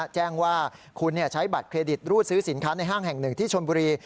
แจ้งว่าคุณใช้บัตรเครดิตรูดซื้อสินค้าในห้างแห่งหนึ่งที่ชนบุรี